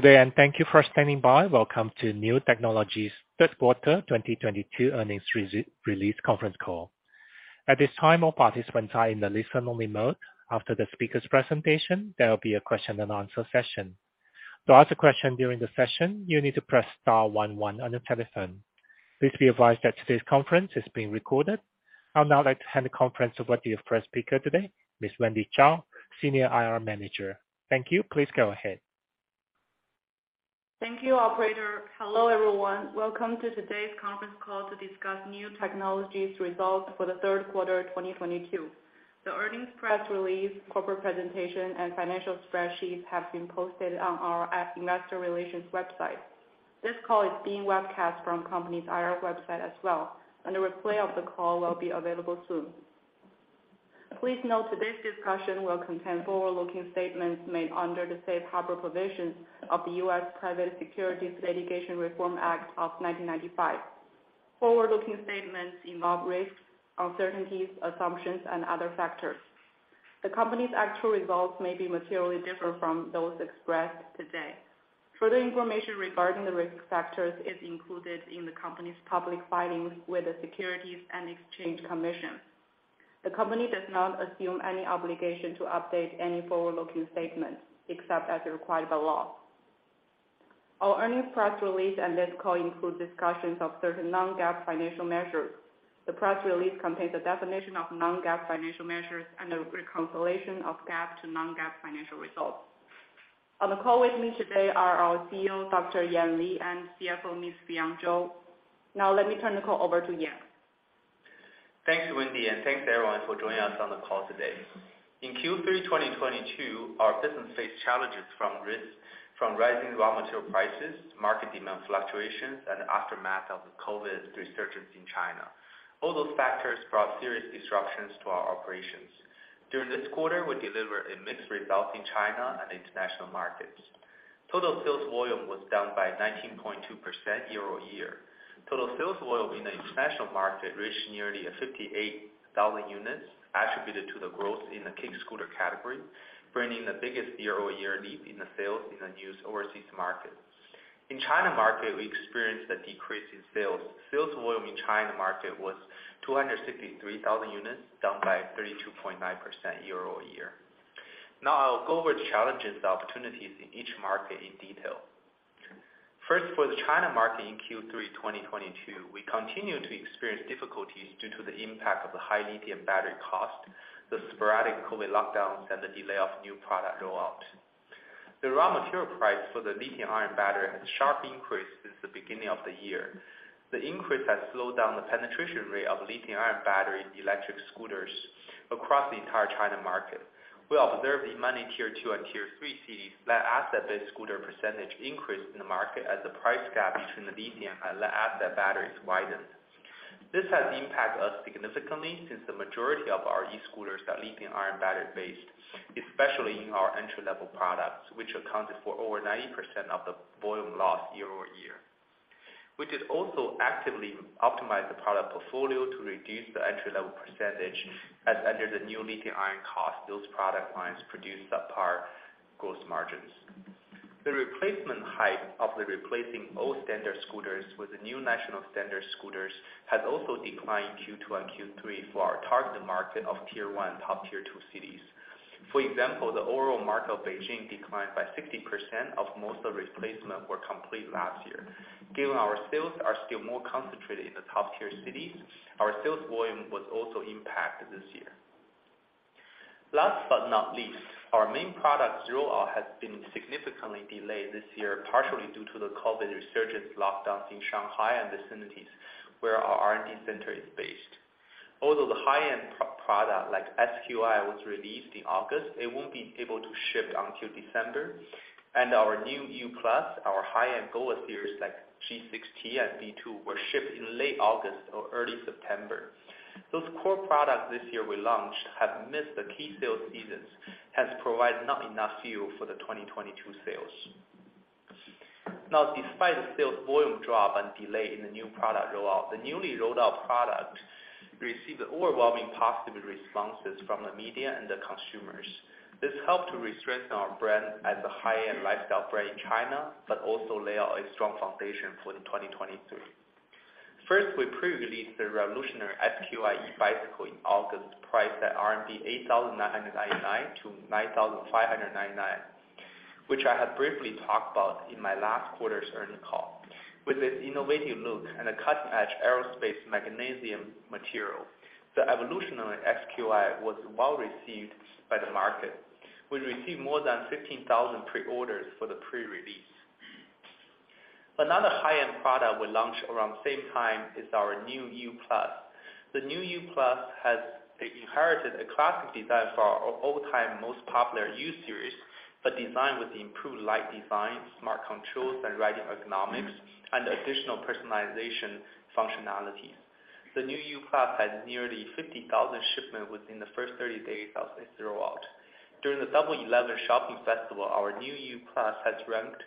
Good day. Thank you for standing by. Welcome to Niu Technologies' Third Quarter 2022 Earnings Release Conference Call. At this time, all participants are in the listen-only mode. After the speakers' presentation, there will be a question-and-answer session. To ask a question during the session, you need to press star one one on your telephone. Please be advised that today's conference is being recorded. I would now like to hand the conference over to your first speaker today, Ms. Wendy Zhao, Senior IR Manager. Thank you. Please go ahead. Thank you, operator. Hello, everyone. Welcome to today's conference call to discuss Niu Technologies' results for the third quarter, 2022. The earnings press release, corporate presentation and financial spreadsheets have been posted on our investor relations website. This call is being webcast from company's IR website as well, and a replay of the call will be available soon. Please note today's discussion will contain forward-looking statements made under the safe harbor provisions of the U.S. Private Securities Litigation Reform Act of 1995. Forward-looking statements involve risks, uncertainties, assumptions and other factors. The company's actual results may be materially different from those expressed today. Further information regarding the risk factors is included in the company's public filings with the Securities and Exchange Commission. The company does not assume any obligation to update any forward-looking statements, except as required by law. Our earnings press release and this call include discussions of certain non-GAAP financial measures. The press release contains the definition of non-GAAP financial measures and a reconciliation of GAAP to non-GAAP financial results. On the call with me today are our CEO, Dr. Yan Li, and CFO, Ms. Fion Zhou. Let me turn the call over to Yan. Thanks, Wendy, and thanks everyone for joining us on the call today. In Q3 2022, our business faced challenges from risks, from rising raw material prices, market demand fluctuations, and aftermath of the COVID resurgence in China. All those factors brought serious disruptions to our operations. During this quarter, we deliver a mixed result in China and international markets. Total sales volume was down by 19.2% year-over-year. Total sales volume in the international market reached nearly 58,000 units, attributed to the growth in the kick-scooter category, bringing the biggest year-over-year leap in the sales in the NIU's overseas market. In China market, we experienced a decrease in sales. Sales volume in China market was 263,000 units, down by 32.9% year-over-year. Now, I'll go over the challenges and opportunities in each market in detail. First, for the China market in Q3 2022, we continued to experience difficulties due to the impact of the high lithium battery cost, the sporadic COVID lockdowns, and the delay of new product rollout. The raw material price for the lithium-ion battery has sharply increased since the beginning of the year. The increase has slowed down the penetration rate of lithium-ion battery electric scooters across the entire China market. We observed demand in Tier 2 and Tier 3 cities that asset-based scooter percentage increased in the market as the price gap between the lithium and the acid batteries widened. This has impacted us significantly since the majority of our e-scooters are lithium-ion battery-based, especially in our entry-level products, which accounted for over 90% of the volume loss year-over-year, which has also actively optimized the product portfolio to reduce the entry-level percentage as under the new lithium-ion cost, those product lines produce subpar gross margins. The replacement hype of the replacing old standard scooters with the new national standard scooters has also declined Q2 and Q3 for our target market of Tier 1, top Tier 2 cities. For example, the overall market of Beijing declined by 60% of most of the replacement were complete last year. Given our sales are still more concentrated in the top-tier cities, our sales volume was also impacted this year. Last but not least, our main product rollout has been significantly delayed this year, partially due to the COVID resurgence lockdowns in Shanghai and vicinities where our R&D center is based. Although the high-end pro-product like SQI was released in August, it won't be able to ship until December. Our new U+, our high-end GOVA series like G6T and B2, were shipped in late August or early September. Those core products this year we launched have missed the key sales seasons, has provided not enough fuel for the 2022 sales. Despite the sales volume drop and delay in the new product rollout, the newly rolled-out product received overwhelming positive responses from the media and the consumers. This helped to re-strengthen our brand as a high-end lifestyle brand in China, but also lay out a strong foundation for the 2022. First, we pre-released the revolutionary SQi e-bicycle in August, priced at 8,999-9,599 RMB, which I had briefly talked about in my last quarter's earnings call. With its innovative look and a cutting-edge aerospace magnesium material, the evolutionary SQi was well received by the market. We received more than 15,000 pre-orders for the pre-release. Another high-end product we launched around the same time is our new U+. The new U+ has inherited a classic design for our all-time most popular U Series, but designed with the improved light design, smart controls, and riding ergonomics, and additional personalization functionalities. The new U+ had nearly 50,000 shipments within the first 30 days of its rollout. During the Double 11 Shopping Festival, our new U+ has ranked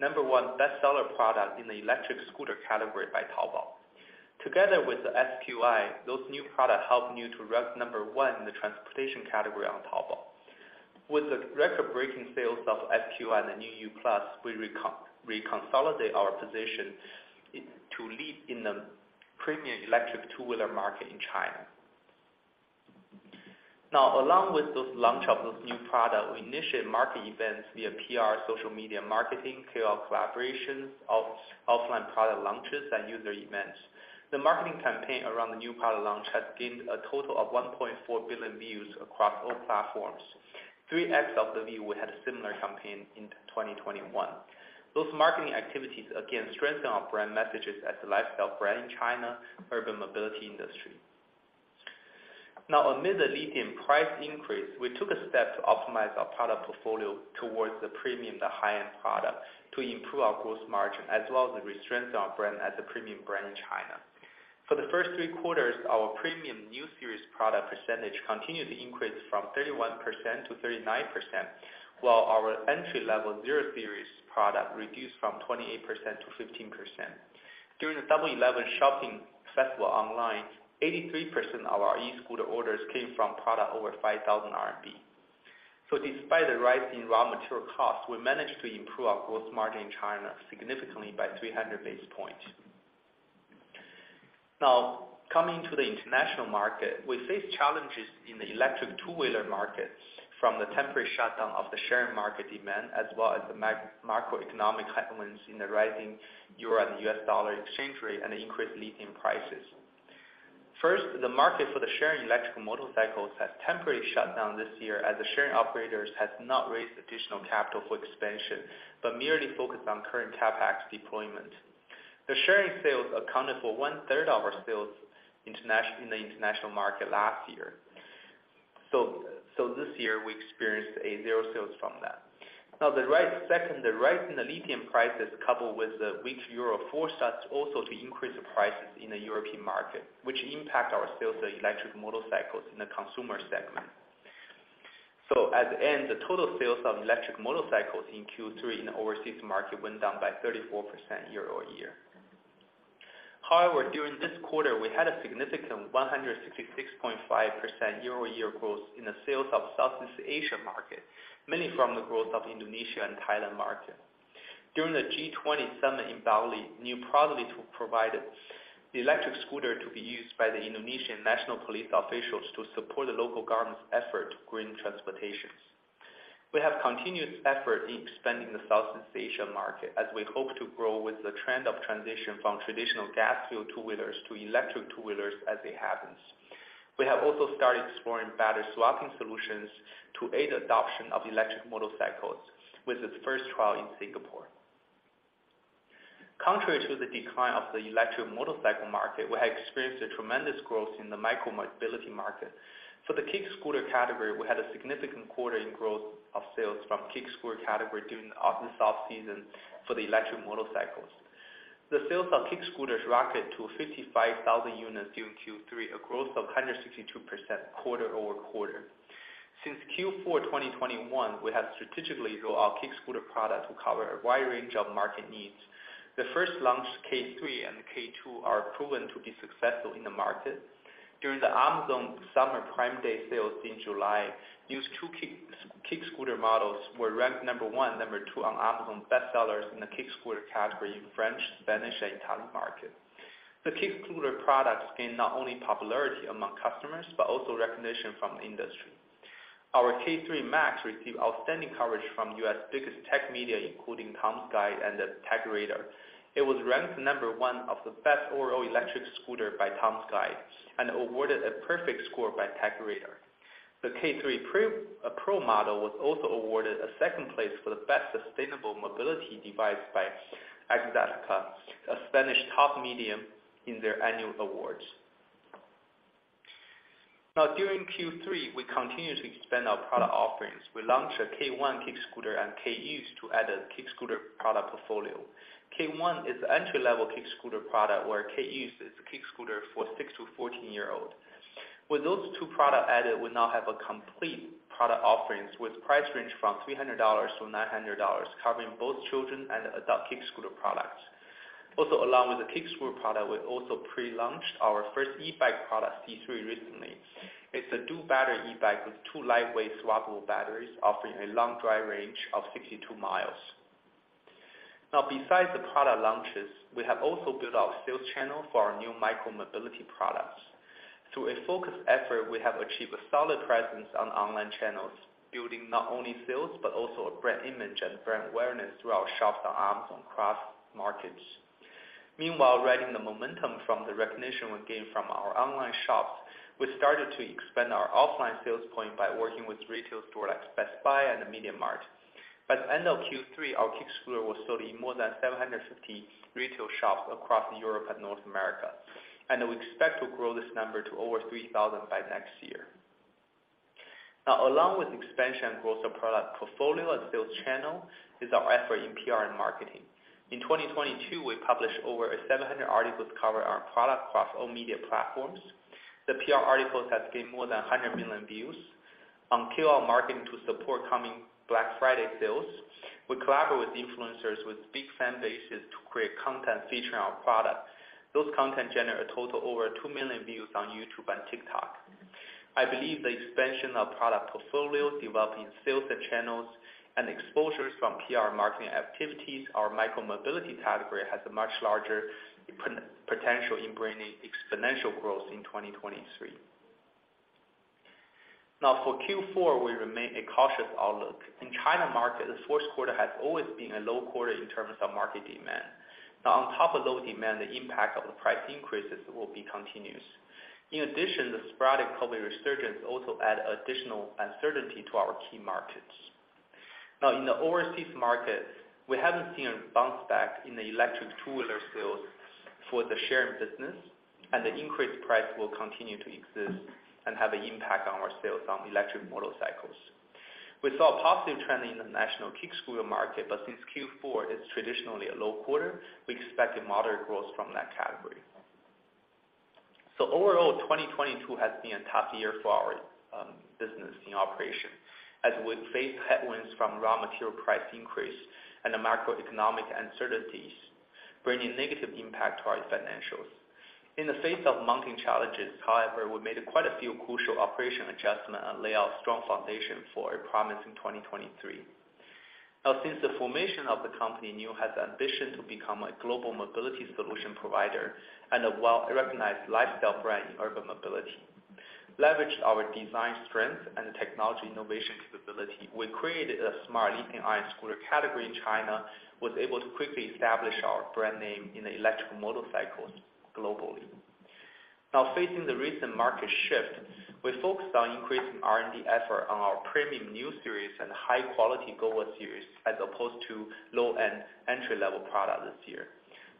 number one best-seller product in the electric scooter category by Taobao. Together with the SQi, those new product help NIU to rank number one in the transportation category on Taobao. With the record-breaking sales of SQi, the new U+, we reconsolidate our position to lead in the premium electric two-wheeler market in China. Along with those launch of those new product, we initiate market events via PR, social media marketing, KOL collaborations, offline product launches, and user events. The marketing campaign around the new product launch has gained a total of 1.4 billion views across all platforms, 3x of the view we had a similar campaign in 2021. Those marketing activities again strengthen our brand messages as the lifestyle brand in China, urban mobility industry. Amid the lithium price increase, we took a step to optimize our product portfolio towards the premium, the high-end product, to improve our gross margin, as well as the strength of our brand as a premium brand in China. For the first three quarters, our premium Niu series product percentage continued to increase from 31% to 39%, while our entry-level zero series product reduced from 28% to 15%. During the Double 11 Shopping Festival online, 83% of our e-scooter orders came from product over 5,000 RMB. Despite the rise in raw material costs, we managed to improve our gross margin in China significantly by 300 basis points. Coming to the international market, we face challenges in the electric two-wheeler market from the temporary shutdown of the sharing market demand, as well as the macroeconomic headwinds in the rising euro and U.S. dollar exchange rate and the increased lithium prices. First, the market for the sharing electric motorcycles has temporarily shut down this year as the sharing operators has not raised additional capital for expansion, but merely focused on current CapEx deployment. The sharing sales accounted for 1/3 of our sales international, in the international market last year. This year we experienced a zero sales from that. Second, the rise in the lithium prices coupled with the weak euro forced us also to increase the prices in the European market, which impact our sales of electric motorcycles in the consumer segment. At the end, the total sales of electric motorcycles in Q3 in the overseas market went down by 34% year-over-year. However, during this quarter, we had a significant 166.5% year-over-year growth in the sales of Southeast Asia market, mainly from the growth of Indonesia and Thailand market. During the G20 summit in Bali, NIU proudly provided the electric scooter to be used by the Indonesian national police officials to support the local government's effort to green transportations. We have continued effort in expanding the Southeast Asia market, as we hope to grow with the trend of transition from traditional gas-fueled two-wheelers to electric two-wheelers as it happens. We have also started exploring battery swapping solutions to aid adoption of electric motorcycles, with its first trial in Singapore. Contrary to the decline of the electric motorcycle market, we have experienced a tremendous growth in the micromobility market. For the kick-scooter category, we had a significant quarter in growth of sales from kick-scooter category during the off-season for the electric motorcycles. The sales of kick-scooters rocket to 55,000 units during Q3, a growth of 162% quarter-over-quarter. Since Q4 2021, we have strategically grow our kick-scooter product to cover a wide range of market needs. The first launch, K3 and K2, are proven to be successful in the market. During the Amazon Summer Prime Day sales in July, NIU's two kick-scooter models were ranked number one, number two on Amazon bestsellers in the kick-scooter category in French, Danish, and Italian market. The kick-scooter products gained not only popularity among customers, but also recognition from industry. Our KQi3 Max received outstanding coverage from U.S. biggest tech media, including Tom's Guide and the TechRadar. It was ranked number one of the best overall electric scooter by Tom's Guide, and awarded a perfect score by TechRadar. The KQi3 Pro model was also awarded a second place for the best sustainable mobility device by Xataka, a Spanish top medium in their annual awards. During Q3, we continued to expand our product offerings. We launched a KQi1 kick-scooter and KQi Youth to add a kick-scooter product portfolio. KQi1 is the entry-level kick-scooter product, where KQi Youth is the kick-scooter for six to 14-year-old. With those two product added, we now have a complete product offerings with price range from $300-$900, covering both children and adult kick-scooter products. Along with the kick-scooter product, we also pre-launched our first e-bike product, C3, recently. It's a dual battery e-bike with two lightweight swappable batteries, offering a long drive range of 62 mi. Besides the product launches, we have also built our sales channel for our new micromobility products. Through a focused effort, we have achieved a solid presence on online channels, building not only sales, but also a brand image and brand awareness through our shops on Amazon across markets. Riding the momentum from the recognition we gained from our online shops, we started to expand our offline sales point by working with retail store like Best Buy and MediaMarkt. By the end of Q3, our kick-scooter was sold in more than 750 retail shops across Europe and North America, and we expect to grow this number to over 3,000 by next year. Along with expansion growth of product portfolio and sales channel, is our effort in PR and marketing. In 2022, we published over 700 articles covering our product across all media platforms. The PR articles has gained more than 100 million views. On QR marketing to support coming Black Friday sales, we collaborate with influencers with big fan bases to create content featuring our products. Those content generate a total over 2 million views on YouTube and TikTok. I believe the expansion of product portfolios, developing sales and channels, and exposures from PR marketing activities, our micro-mobility category has a much larger potential in bringing exponential growth in 2023. For Q4, we remain a cautious outlook. In China market, the first quarter has always been a low quarter in terms of market demand. On top of low demand, the impact of the price increases will be continuous. In addition, the sporadic COVID resurgence also add additional uncertainty to our key markets. In the overseas markets, we haven't seen a bounce back in the electric two-wheeler sales for the sharing business, and the increased price will continue to exist and have an impact on our sales on electric motorcycles. We saw a positive trend in the national kick-scooter market, but since Q4 is traditionally a low quarter, we expect a moderate growth from that category. Overall, 2022 has been a tough year for our business in operation, as we face headwinds from raw material price increase and the macroeconomic uncertainties, bringing negative impact to our financials. In the face of mounting challenges, however, we made quite a few crucial operation adjustment and lay out strong foundation for a promising 2023. Since the formation of the company, NIU has ambition to become a global mobility solution provider and a well-recognized lifestyle brand in urban mobility. Leveraged our design strengths and technology innovation capability, we created a smart lithium-ion scooter category in China, was able to quickly establish our brand name in the electrical motorcycles globally. Facing the recent market shift, we focused on increasing R&D effort on our premium Niu series and high-quality GOVA series as opposed to low-end entry-level product this year.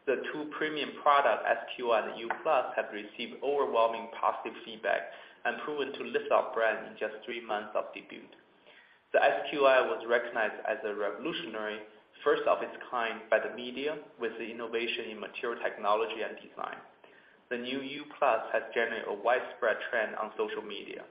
The two premium product, SQi and U+, have received overwhelming positive feedback and proven to lift our brand in just three months of debut. The SQi was recognized as a revolutionary, first of its kind by the media, with the innovation in material technology and design. The new U+ has generated a widespread trend on social media.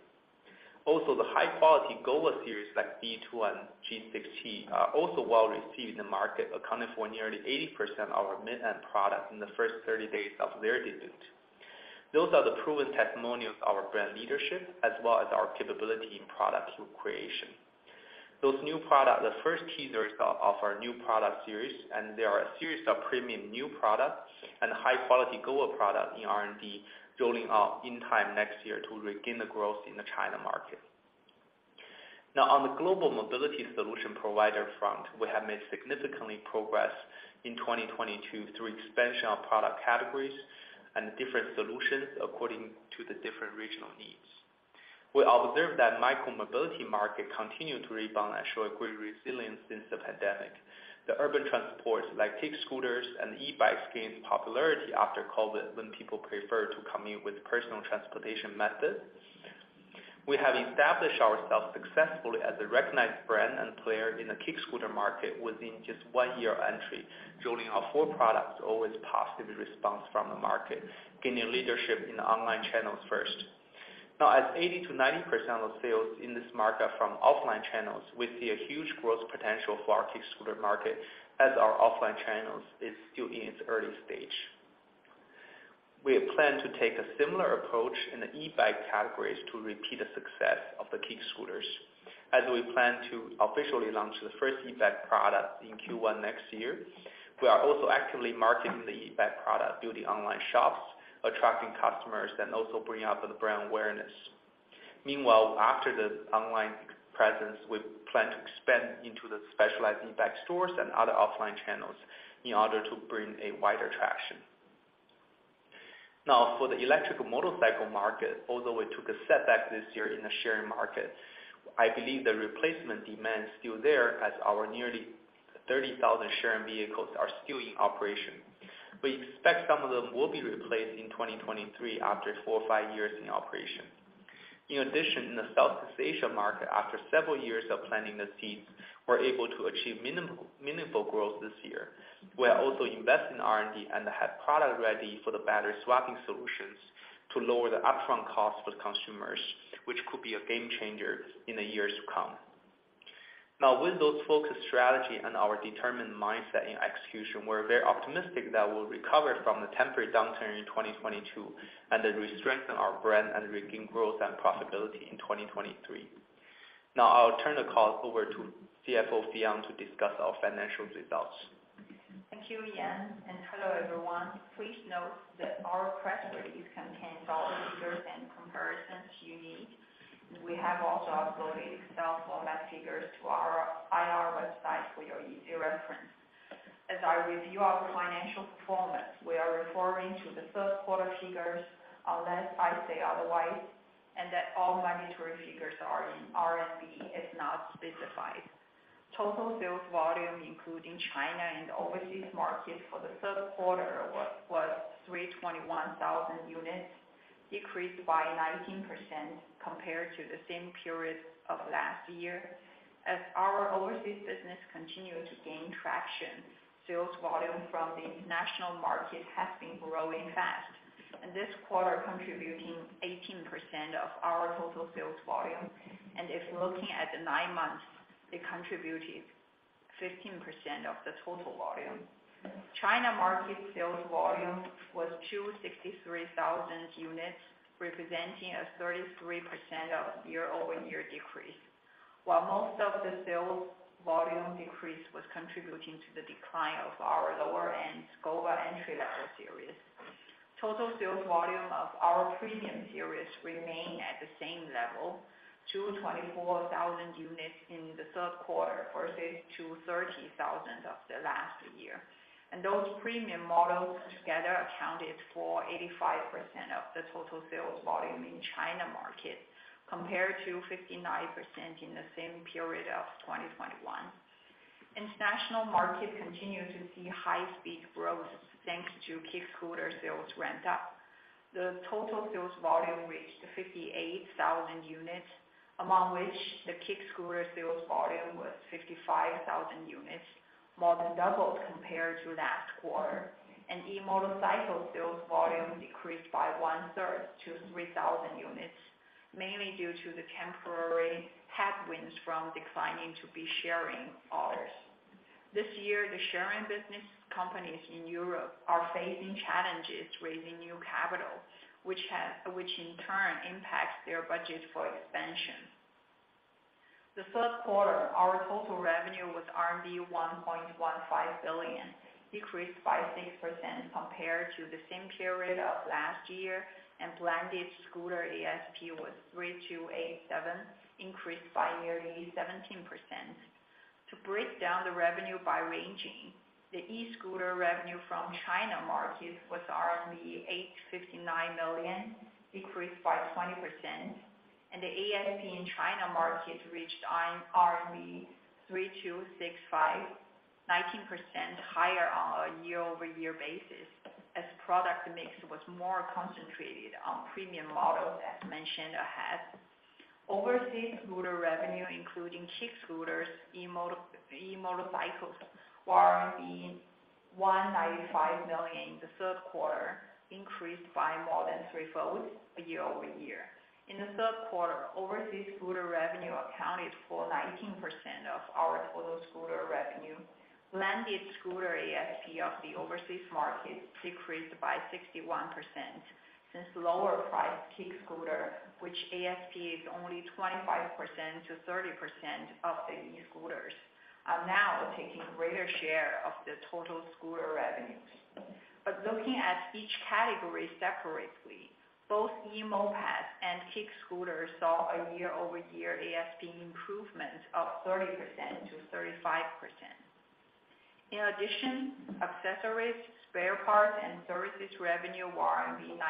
The high-quality GOVA series like B2 and G6T are also well-received in the market, accounting for nearly 80% of our mid-end product in the first 30 days of their debut. Those are the proven testimonials of our brand leadership, as well as our capability in product creation. Those new product, the first teasers of our new product series. They are a series of premium new products and high-quality GOVA product in R&D, rolling out in time next year to regain the growth in the China market. On the global mobility solution provider front, we have made significantly progress in 2022 through expansion of product categories and different solutions according to the different regional needs. We observed that micro-mobility market continued to rebound and show a great resilience since the pandemic. The urban transports, like kick-scooters and e-bikes, gained popularity after COVID, when people prefer to commute with personal transportation method. We have established ourselves successfully as a recognized brand and player in the kick-scooter market within just one year of entry, rolling out four products, always positive response from the market, gaining leadership in the online channels first. Now, as 80%-90% of sales in this market from offline channels, we see a huge growth potential for our kick-scooter market as our offline channels is still in its early stage. We plan to take a similar approach in the e-bike categories to repeat the success of the kick-scooters. As we plan to officially launch the first e-bike product in Q1 next year, we are also actively marketing the e-bike product through the online shops, attracting customers and also bringing up the brand awareness. Meanwhile, after the online presence, we plan to expand into the specialized e-bike stores and other offline channels in order to bring a wider traction. Now, for the electric motorcycle market, although we took a setback this year in the sharing market, I believe the replacement demand is still there as our nearly 30,000 sharing vehicles are still in operation. We expect some of them will be replaced in 2023 after four or five years in operation. In the Southeast Asia market, after several years of planting the seeds, we're able to achieve meaningful growth this year. We are also investing in R&D and have product ready for the battery swapping solutions to lower the upfront cost for the consumers, which could be a game changer in the years to come. With those focused strategy and our determined mindset in execution, we're very optimistic that we'll recover from the temporary downturn in 2022, restrengthen our brand and regain growth and profitability in 2023. I'll turn the call over to CFO Fion to discuss our financial results. Thank you, Yan. Hello, everyone. Please note that our press release contains all the figures and comparisons you need. We have also uploaded Excel format figures to our IR website for your easy reference. As I review our financial performance, we are referring to the third quarter figures, unless I say otherwise, and that all monetary figures are in RMB, if not specified. Total sales volume, including China and overseas markets for the third quarter was 321,000 units, decreased by 19% compared to the same period of last year. As our overseas business continued to gain traction, sales volume from the international market has been growing fast. In this quarter, contributing 18% of our total sales volume. If looking at the nine months, they contributed 15% of the total volume. China market sales volume was 263,000 units, representing a 33% of year-over-year decrease. While most of the sales volume decrease was contributing to the decline of our lower-end GOVA entry-level series. Total sales volume of our premium series remain at the same level to 24,000 units in the third quarter, versus to 30,000 of the last year. Those premium models together accounted for 85% of the total sales volume in China market, compared to 59% in the same period of 2021. International market continued to see high-speed growth, thanks to kick-scooter sales ramp-up. The total sales volume reached 58,000 units, among which the kick-scooter sales volume was 55,000 units, more than doubled compared to last quarter. E-motorcycle sales volume decreased by 1/3 to 3,000 units, mainly due to the temporary headwinds from declining to be sharing offers. This year, the sharing business companies in Europe are facing challenges, raising new capital, which in turn impacts their budget for expansion. The third quarter, our total revenue was RMB 1.15 billion, decreased by 6% compared to the same period of last year, and blended scooter ASP was 3,287, increased by nearly 17%. To break down the revenue by ranging, the e-scooter revenue from China market was 859 million, decreased by 20%, and the ASP in China market reached RMB 3,265, 19% higher on a year-over-year basis as product mix was more concentrated on premium models, as mentioned ahead. Overseas scooter revenue, including kick-scooters, e-motorcycles, were 195 million in the third quarter, increased by more than 3/4 year-over-year. In the third quarter, overseas scooter revenue accounted for 19% of our total scooter revenue. Blended scooter ASP of the overseas market decreased by 61% since lower price kick-scooter, which ASP is only 25%-30% of the e-scooters, are now taking greater share of the total scooter revenues. Looking at each category separately, both e-mopeds and kick-scooters saw a year-over-year ASP improvement of 30%-35%. In addition, accessories, spare parts, and services revenue were 99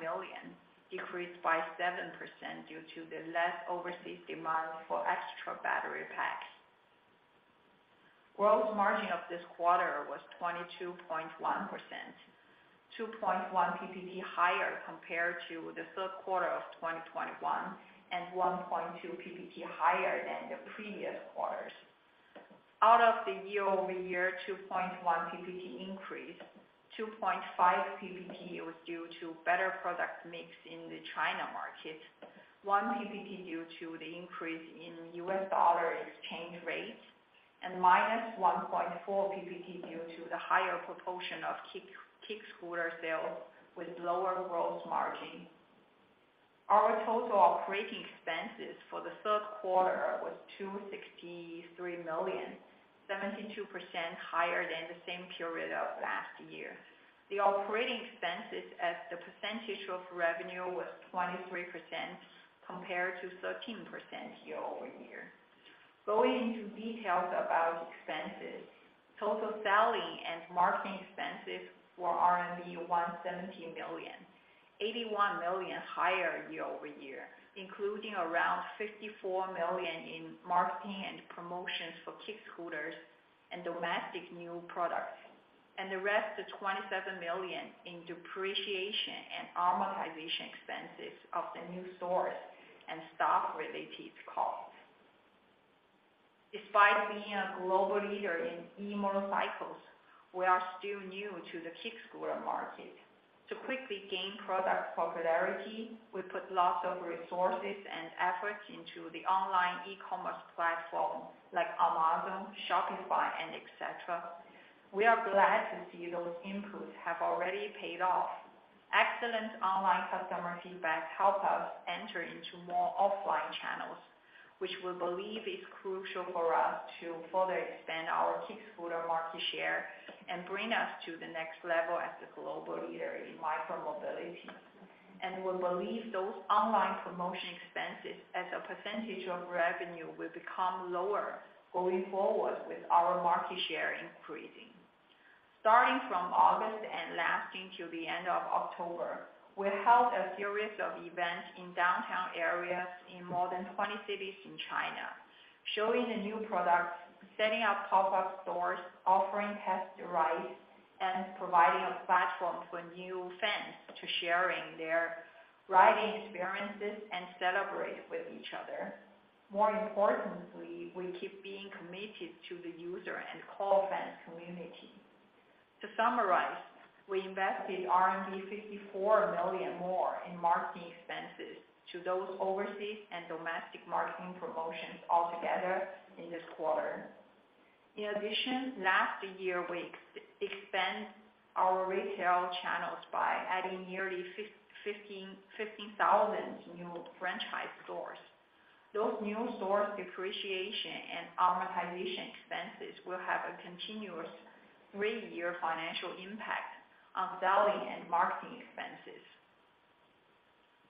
million, decreased by 7% due to the less overseas demand for extra battery packs. Gross margin of this quarter was 22.1%, 2.1 PPT higher compared to the third quarter of 2021, and 1.2 PPT higher than the previous quarters. Out of the year-over-year 2.1 PPT increase, 2.5 PPT was due to better product mix in the China market. 1 PPT due to the increase in U.S. dollar exchange rates and -1.4 PPT due to the higher proportion of kick-scooter sales with lower gross margin. Our total operating expenses for the third quarter was 263 million, 72% higher than the same period of last year. The operating expenses as the percentage of revenue was 23% compared to 13% year-over-year. Going into details about expenses, total selling and marketing expenses were RMB 170 million, 81 million higher year-over-year, including around 54 million in marketing and promotions for kick-scooters and domestic new products, and the rest of 27 million in depreciation and amortization expenses of the new stores and stock-related costs. Despite being a global leader in e-motorcycles, we are still new to the kick-scooter market. To quickly gain product popularity, we put lots of resources and effort into the online e-commerce platform like Amazon, Shopify, and et cetera. We are glad to see those inputs have already paid off. Excellent online customer feedback help us enter into more offline channels, which we believe is crucial for us to further expand our kick-scooter market share and bring us to the next level as a global leader in micro-mobility. We believe those online promotion expenses as a percentage of revenue will become lower going forward with our market share increasing. Starting from August and lasting to the end of October, we held a series of events in downtown areas in more than 20 cities in China, showing the new products, setting up pop-up stores, offering test rides, and providing a platform for new fans to sharing their riding experiences and celebrate with each other. More importantly, we keep being committed to the user and core fan community. To summarize, we invested 54 million more in marketing expenses to those overseas and domestic marketing promotions altogether in this quarter. In addition, last year, we expand our retail channels by adding nearly 15,000 new franchise stores. Those new stores depreciation and amortization expenses will have a continuous three-year financial impact on selling and marketing expenses.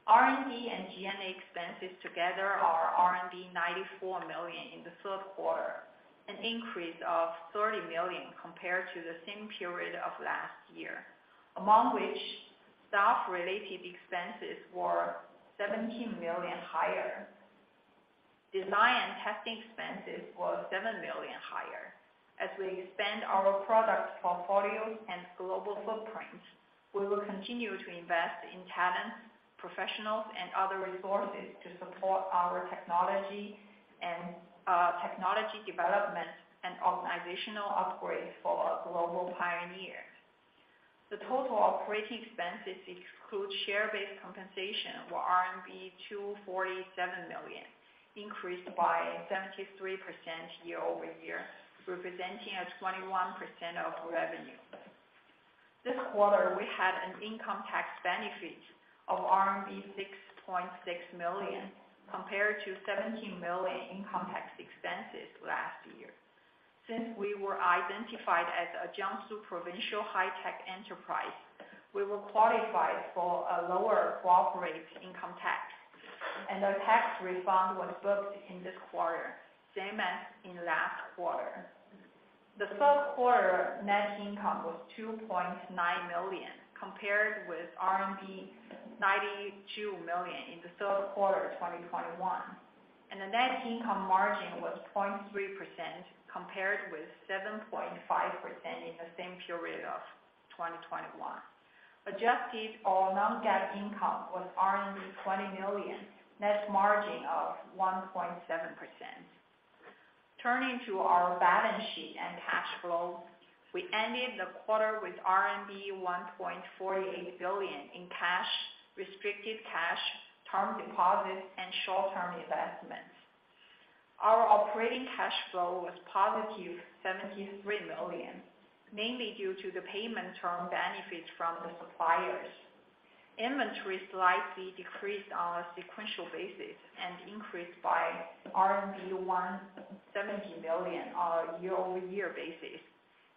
R&D and G&A expenses together are 94 million in the third quarter, an increase of 30 million compared to the same period of last year. Among which, staff-related expenses were 17 million higher. Design and testing expenses was 7 million higher. As we expand our product portfolio and global footprint, we will continue to invest in talents, professionals, and other resources to support our technology and technology development and organizational upgrade for our global pioneers. The total operating expenses exclude share-based compensation were RMB 247 million, increased by 73% year-over-year, representing a 21% of revenue. This quarter, we had an income tax benefit of RMB 6.6 million compared to 17 million income tax expenses last year. Since we were identified as a Jiangsu provincial high-tech enterprise, we were qualified for a lower corporate income tax, and the tax refund was booked in this quarter, same as in last quarter. The third quarter net income was 2.9 million, compared with RMB 92 million in the third quarter of 2021. The net income margin was 0.3% compared with 7.5% in the same period of 2021. Adjusted or non-GAAP income was 20 million, net margin of 1.7%. Turning to our balance sheet and cash flow, we ended the quarter with RMB 1.48 billion in cash, restricted cash, term deposits, and short-term investments. Our operating cash flow was positive 73 million, mainly due to the payment term benefit from the suppliers. Inventory slightly decreased on a sequential basis and increased by RMB 170 million on a year-over-year basis,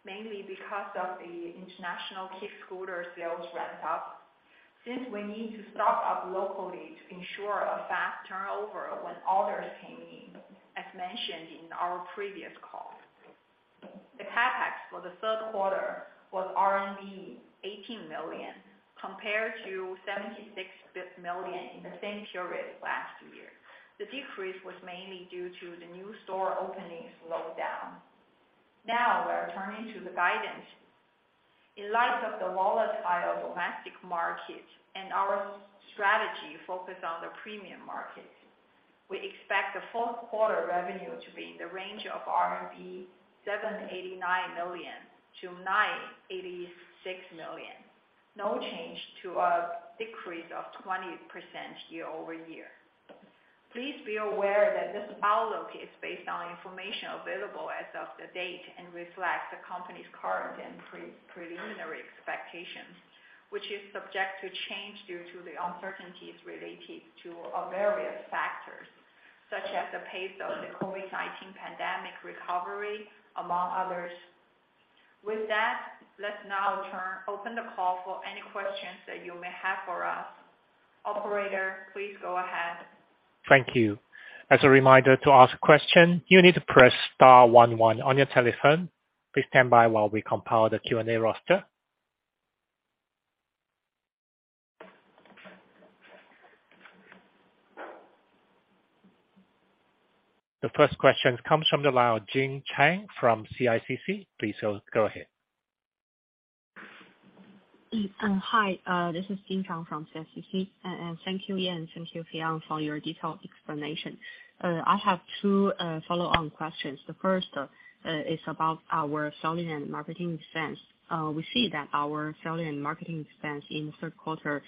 mainly because of the international kids scooter sales ramp-up. Since we need to stock up locally to ensure a fast turnover when orders came in, as mentioned in our previous call. The CapEx for the third quarter was RMB 18 million compared to 76 million in the same period last year. The decrease was mainly due to the new store openings slowed down. Now we are turning to the guidance. In light of the volatile domestic market and our strategy focused on the premium market, we expect the fourth quarter revenue to be in the range of 789 million-986 million RMB, no change to a decrease of 20% year-over-year. Please be aware that this outlook is based on information available as of the date and reflects the company's current and pre-preliminary expectations, which is subject to change due to the uncertainties related to various factors, such as the pace of the COVID-19 pandemic recovery, among others. With that, let's now open the call for any questions that you may have for us. Operator, please go ahead. Thank you. As a reminder, to ask a question, you need to press star one one on your telephone. Please stand by while we compile the Q&A roster. The first question comes from the line of Jing Chang from CICC. Please go ahead. This is Jing Chang from CICC. Thank you, Yan. Thank you, Fion, for your detailed explanation. I have two follow-on questions. The first is about our selling and marketing expense. We see that our selling and marketing expense in the third quarter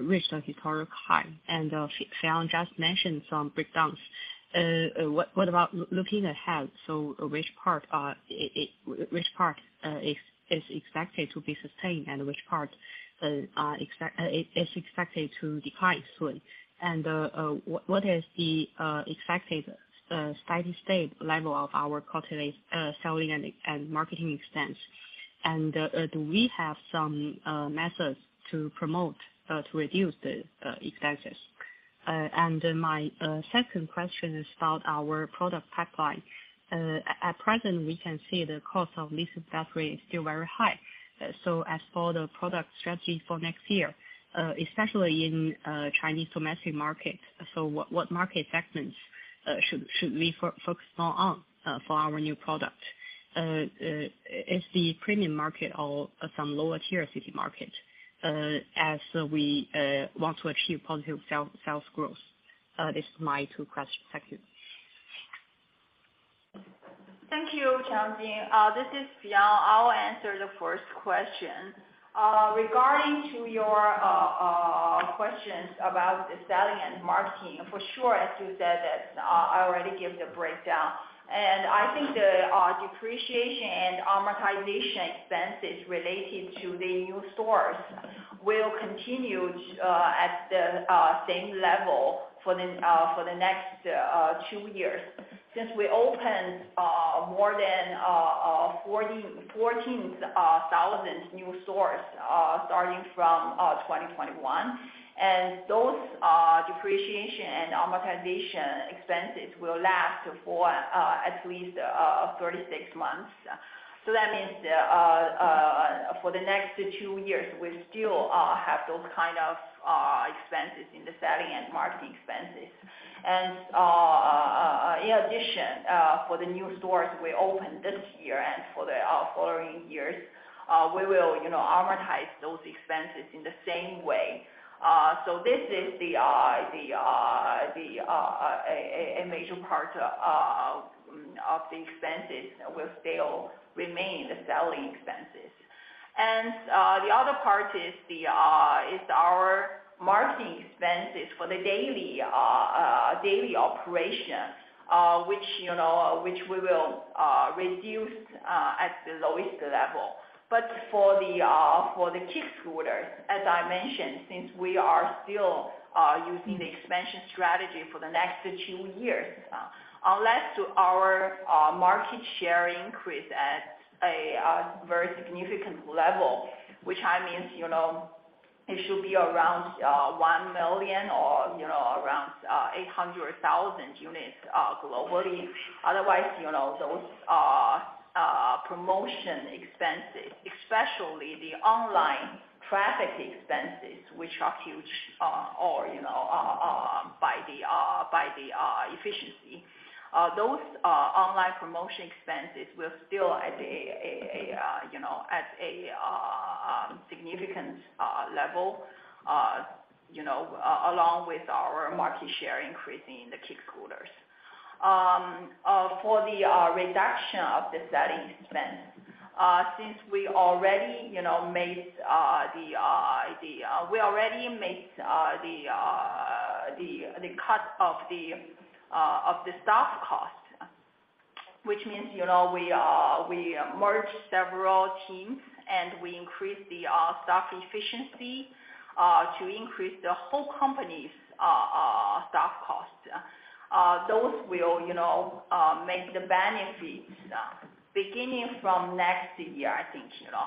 reached a historic high. Fion just mentioned some breakdowns. What, what about looking ahead? Which part is expected to be sustained and which part is expected to decline soon? What, what is the expected steady-state level of our quarterly selling and marketing expense? Do we have some methods to promote to reduce the expenses? My second question is about our product pipeline. At present, we can see the cost of this factory is still very high. As for the product strategy for next year, especially in Chinese domestic market. What market segments, should we focus more on for our new product? Is the premium market or some lower tier city market, as we want to achieve positive sales growth? This is my two questions. Thank you. Thank you, Chang Jing. This is Fion. I'll answer the first question. Regarding to your questions about the selling and marketing, for sure, as you said that, I already gave the breakdown. I think the depreciation and amortization expensestworelated to the new stores will continue at the same level for the next two years. Since we opened more than 14,000 new stores starting from 2021, those depreciation and amortization expenses will last for at least 36 months. That means for the next two years, we still have those kind of expenses in the selling and marketing expenses. In addition, for the new stores we opened this year and for the following years, we will, you know, amortize those expenses in the same way. This is a major part of the expenses will still remain the selling expenses. The other part is our marketing expenses for the daily operation, which, you know, we will reduce at the lowest level. For the kick-scooters, as I mentioned, since we are still using the expansion strategy for the next two years, unless to our market share increase at a very significant level, which, I mean, you know, it should be around 1 million, or you know, around 800,000 units globally. Otherwise, you know, those promotion expenses, especially the online traffic expenses, which are huge, or, you know, by the efficiency. Those online promotion expenses will still at a significant level, you know, along with our market share increasing in the kick-scooters. For the reduction of the selling expense, since we already, you know, made the… We already made the cut of the staff cost, which means, you know, we merged several teams, and we increased the staff efficiency to increase the whole company's staff cost. Those will, you know, make the benefits beginning from next year, I think, you know.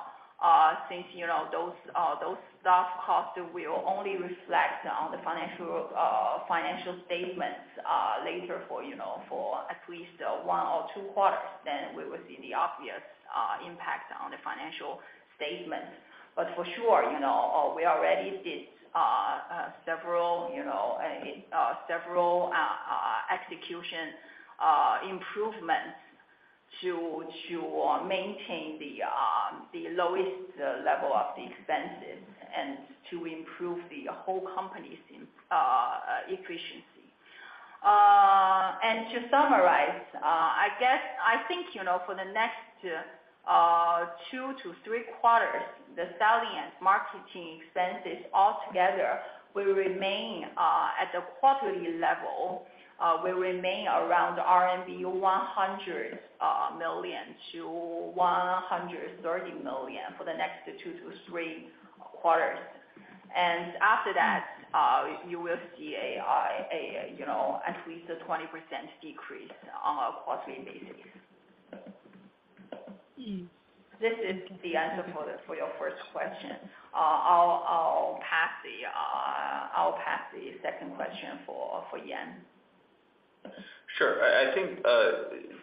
Since, you know, those staff costs will only reflect on the financial statements later for, you know, for at least one or two quarters, then we will see the obvious impact on the financial statement. For sure, you know, we already did several, you know, several execution improvements to maintain the lowest level of the expenses and to improve the whole company's efficiency. To summarize, I guess, I think, you know, for the next two to three quarters, the selling and marketing expenses altogether will remain at the quarterly level, will remain around RMB 100 million to 130 million for the next two to three quarters. After that, you will see a, you know, at least a 20% decrease on a quarterly basis. Mm-hmm. This is the answer for your first question. I'll pass the second question for Yan. Sure. I think,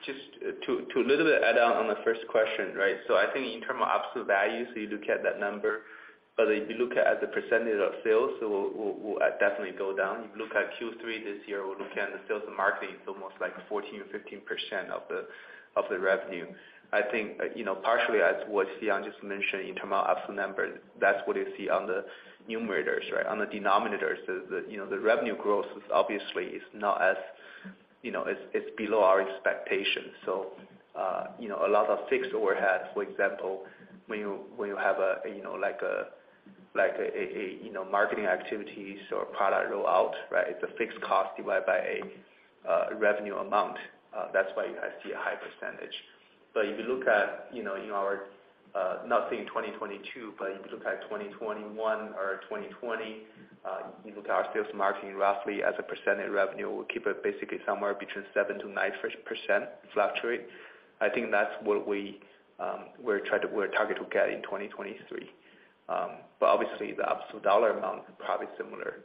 just to add on the first question, right? I think in terms of absolute values, you look at that number, but if you look at the percentage of sales, will definitely go down. You look at Q3 this year, we're looking at the sales and marketing, it's almost like 14% or 15% of the revenue. I think, you know, partially as what Fion just mentioned in terms of absolute numbers, that's what you see on the numerators, right? On the denominators, the, you know, the revenue growth is obviously not as, you know, it's below our expectations. You know, a lot of fixed overheads, for example, when you have a, you know, like a, like a, you know, marketing activities or product rollout, right? It's a fixed cost divided by a revenue amount. That's why you guys see a high percentage. If you look at, you know, in our not saying 2022, if you look at 2021 or 2020, you look at our sales and marketing roughly as a percentage revenue, we keep it basically somewhere between 7%-9% fluctuate. I think that's what we're target to get in 2023. Obviously the absolute dollar amount is probably similar.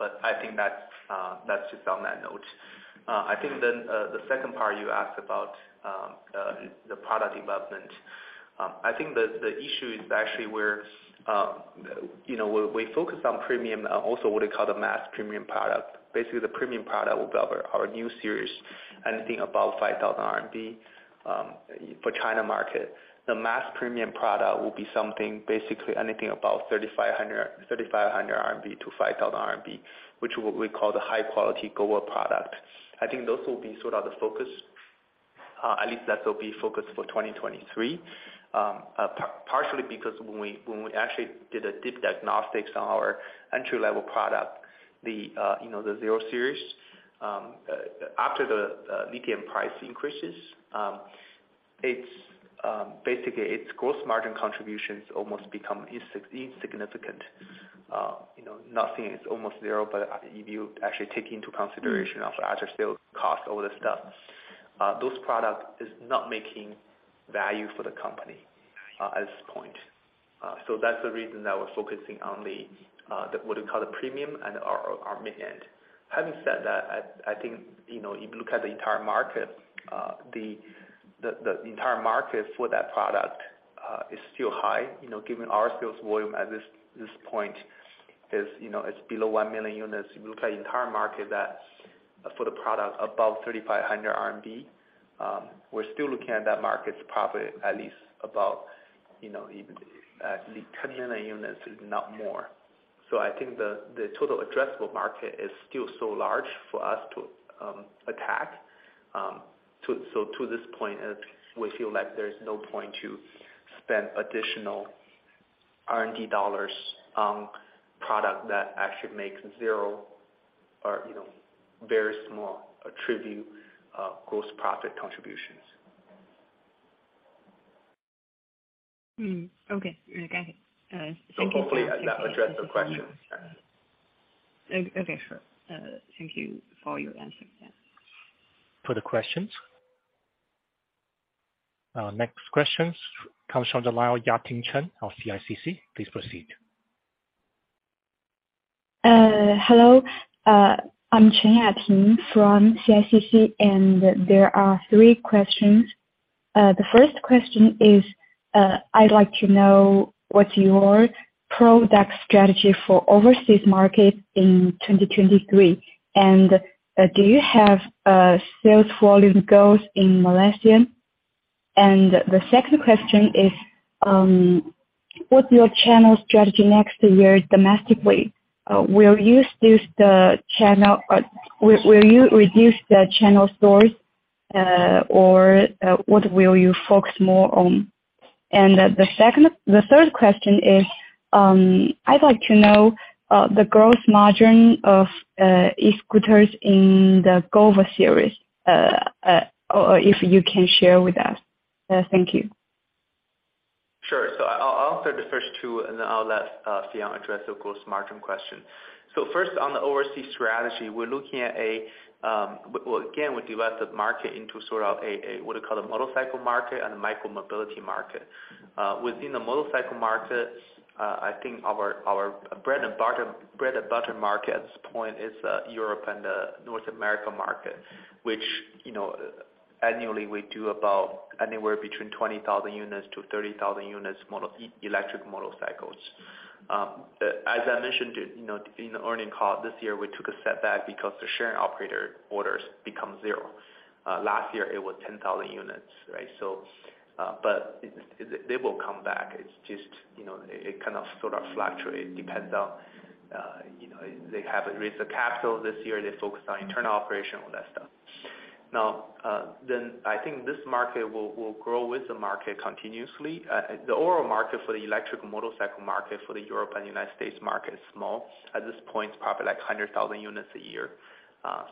I think that's just on that note. I think the second part you asked about the product development. I think the issue is actually where, you know, we focus on premium, also what you call the mass premium product. Basically, the premium product will be our Niu series, anything above 5,000 RMB for China market. The mass premium product will be something basically anything above 3,500-5,000 RMB, which we call the high-quality global product. I think those will be sort of the focus, at least that will be focused for 2023. Partially because when we actually did a deep diagnostics on our entry-level product, the, you know, the zero series, after the lithium price increases, it's basically its gross margin contribution is almost become insignificant. You know, nothing is almost zero, but if you actually take into consideration of after-sales cost, all that stuff, those product is not making value for the company at this point. That's the reason that we're focusing on the what we call the premium and our mid-end. Having said that, I think, you know, if you look at the entire market, the entire market for that product is still high. You know, given our sales volume at this point is, you know, it's below 1 million units. If you look at the entire market for the product above 3,500 RMB, we're still looking at that market's probably at least about, you know, even at least 10 million units, if not more. I think the total addressable market is still so large for us to attack. To this point, we feel like there's no point to spend additional R&D dollars on product that actually makes zero or, you know, very small attribute, gross profit contributions. Okay. Got it. Thank you. Hopefully that addressed the question. Okay, sure. Thank you for your answer. Yeah. Further questions? Next question comes from the line, Yating Chen of CICC. Please proceed. Hello, I'm Chen Yating from CICC. There are three questions. The first question is, I'd like to know what's your product strategy for overseas market in 2023. Do you have sales volume goals in Malaysia? The second question is, what's your channel strategy next year domestically? Will you use the channel or will you reduce the channel stores, or what will you focus more on? The third question is, I'd like to know the growth margin of e-scooters in the Global Series, or if you can share with us. Thank you. Sure. I'll answer the first two, and then I'll let Fion address the gross margin question. First on the overseas strategy, we're looking at a, well, again, we divide the market into sort of a, what I call a motorcycle market and a micro-mobility market. Within the motorcycle market, I think our bread and butter market at this point is Europe and the North America market. Which, you know, annually we do about anywhere between 20,000 units to 30,000 units electric motorcycles. As I mentioned, you know, in the earnings call this year, we took a step back because the sharing operator orders become zero. Last year it was 10,000 units, right? But they will come back. It's just, you know, it kind of sort of fluctuate. Depends on, you know, they haven't raised the capital this year. They focused on internal operation, all that stuff. I think this market will grow with the market continuously. The overall market for the electric motorcycle market for the Europe and United States market is small. At this point, it's probably like 100,000 units a year.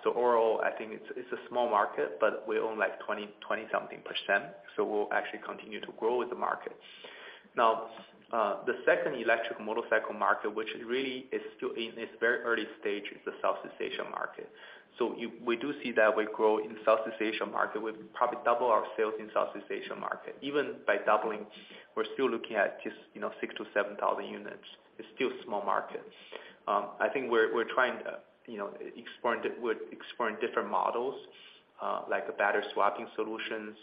Overall, I think it's a small market, but we own like 20 something percent, so we'll actually continue to grow with the market. The second electric motorcycle market, which really is still in its very early stage, is the Southeast Asian market. We do see that we grow in Southeast Asian market. We've probably double our sales in Southeast Asian market. Even by doubling, we're still looking at just, you know, 6,000 units-7,000 units. It's still small market. I think we're trying to, you know, exploring different models, like the battery swapping solutions,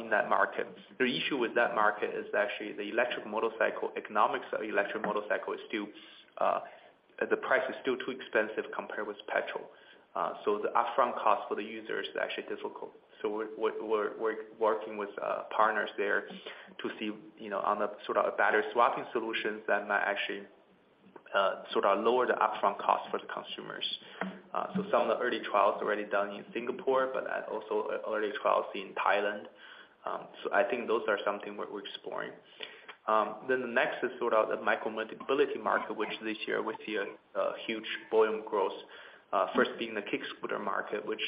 in that market. The issue with that market is actually the electric motorcycle economics of the electric motorcycle is still, the price is still too expensive compared with petrol. The upfront cost for the user is actually difficult. We're working with partners there to see, you know, on the sort of battery swapping solutions that might actually sort of lower the upfront cost for the consumers. Some of the early trials already done in Singapore, but also early trials in Thailand. I think those are something we're exploring. The next is sort of the micro-mobility market, which this year we see a huge volume growth, first being the kick-scooter market, which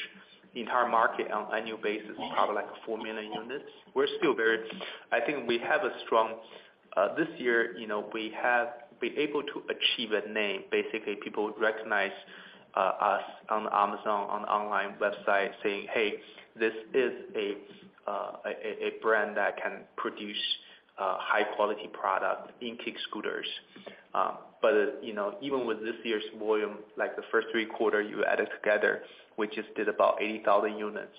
the entire market on annual basis is probably like 4 million units. We're still very. I think we have a strong. This year, you know, we have been able to achieve a name. Basically, people recognize us on Amazon, on online website saying, "Hey, this is a brand that can produce high quality product in kick-scooters." You know, even with this year's volume, like the first 3 quarter you added together, we just did about 80,000 units.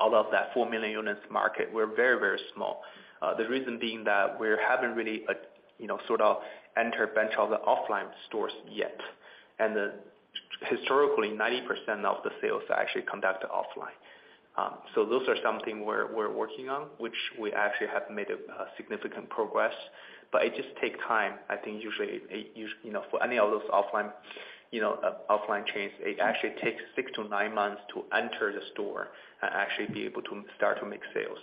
Out of that 4 million units market, we're very, very small. The reason being that we haven't really, you know, sort of entered bunch of the offline stores yet. Historically, 90% of the sales are actually conducted offline. Those are something we're working on, which we actually have made a significant progress, but it just take time. I think usually it you know, for any of those offline, you know, offline chains, it actually takes six to nine months to enter the store and actually be able to start to make sales.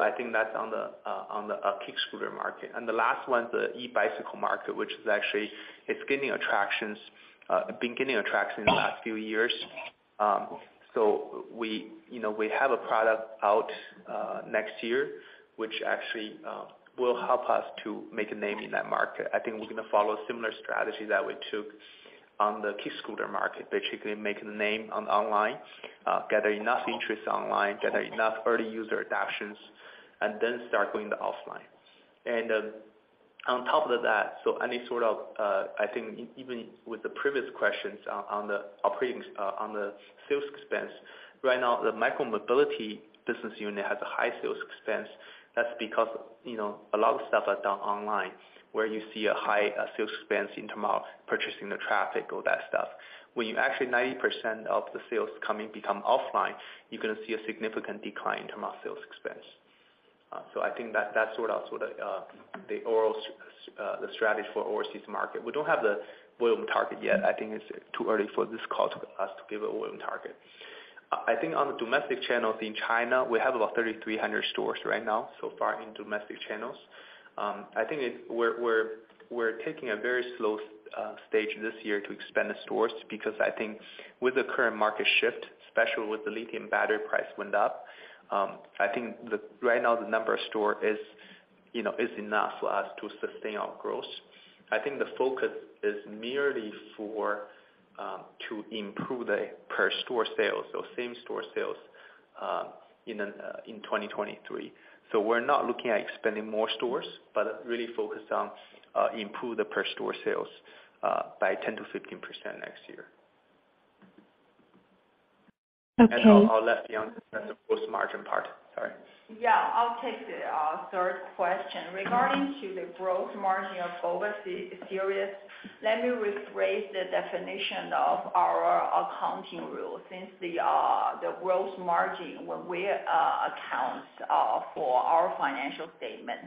I think that's on the kick-scooter market. The last one is the e-bicycle market, which actually, it's gaining attractions, been gaining attractions in the last few years. We, you know, we have a product out next year, which actually will help us to make a name in that market. I think we're gonna follow a similar strategy that we took on the kick-scooter market. Basically make a name on online, gather enough interest online, gather enough early user adoptions, then start going to offline. On top of that, any sort of, I think even with the previous questions on the operating sales expense, right now the micro-mobility business unit has a high sales expense. That's because, you know, a lot of stuff are done online, where you see a high sales expense in terms of purchasing the traffic, all that stuff. When you actually 90% of the sales coming become offline, you're gonna see a significant decline in terms of sales expense. I think that's sort of the overall strategy for overseas market. We don't have the volume target yet. I think it's too early for this call to us to give a volume target. I think on the domestic channels in China, we have about 3,300 stores right now so far in domestic channels. I think we're taking a very slow stage this year to expand the stores, because I think with the current market shift, especially with the lithium battery price went up, I think the right now the number of store is, you know, is enough for us to sustain our growth. I think the focus is merely for to improve the per store sales or same store sales in 2023. We're not looking at expanding more stores, but really focused on improve the per store sales by 10%-15% next year. Okay. I'll let Yan take the gross margin part. Sorry. Yeah, I'll take the third question. Regarding to the gross margin of GOVA series, let me rephrase the definition of our accounting rule. Since the gross margin, when we account for our financial statement,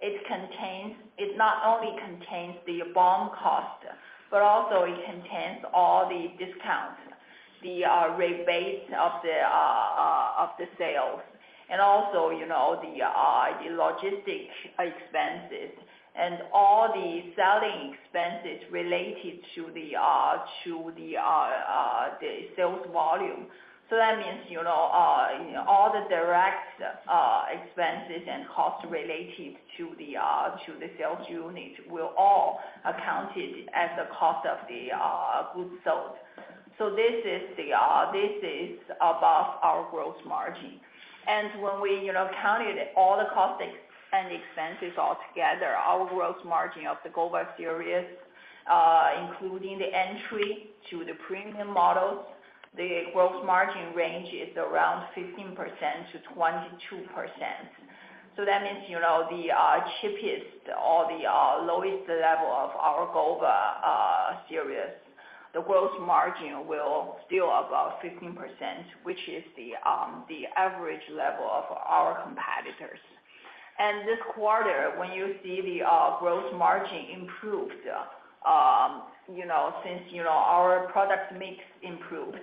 it not only contains the BOM cost, but also it contains all the discounts, the rebates of the sales. Also, you know, the logistic expenses and all the selling expenses related to the sales volume. That means, you know, all the direct expenses and costs related to the sales unit were all accounted as the cost of the goods sold. This is above our gross margin. When we, you know, counted all the costs and expenses all together, our gross margin of the GOVA series, including the entry to the premium models, the gross margin range is around 15%-22%. That means, you know, the cheapest or the lowest level of our GOVA series, the gross margin will still above 15%, which is the average level of our competitors. This quarter, when you see the gross margin improved, you know, since, you know, our product mix improved,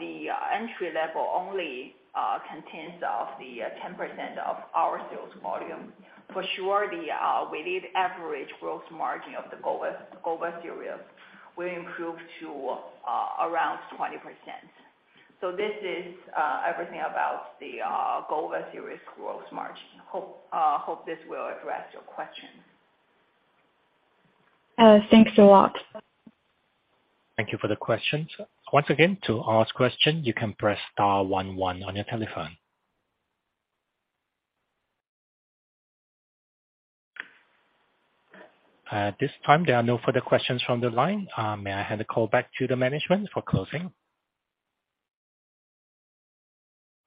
the entry level only contains of the 10% of our sales volume. For sure the weighted average gross margin of the GOVA series will improve to around 20%. This is everything about the GOVA series gross margin. Hope this will address your question. Thanks a lot. Thank you for the question. Once again, to ask question, you can press star one one on your telephone. At this time, there are no further questions from the line. May I hand the call back to the management for closing?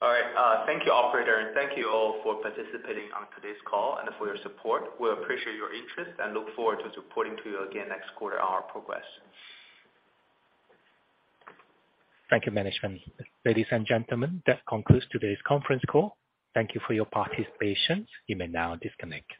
All right. Thank you, operator, and thank you all for participating on today's call and for your support. We appreciate your interest and look forward to reporting to you again next quarter on our progress. Thank you, management. Ladies and gentlemen, that concludes today's conference call. Thank you for your participation. You may now disconnect.